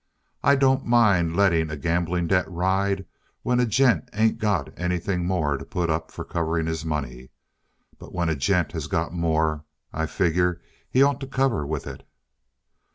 "I don't mind letting a gambling debt ride when a gent ain't got anything more to put up for covering his money. But when a gent has got more, I figure he'd ought to cover with it."